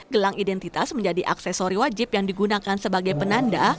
gelang identitas menjadi aksesori wajib yang digunakan sebagai penanda